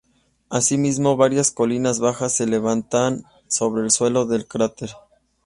Así mismo, varias colinas bajas se levantan sobre el suelo del cráter.